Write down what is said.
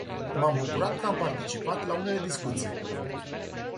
M-am bucurat că am participat la unele discuții.